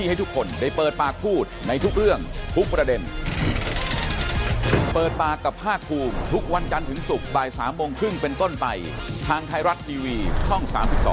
ให้ทุกคนได้เปิดปากพูดในทุกเรื่องทุกประเด็นเปิดปากกับภาคภูมิทุกวันจันทร์ถึงศุกร์บ่าย๓โมงครึ่งเป็นต้นไปทางไทยรัฐทีวีช่อง๓๒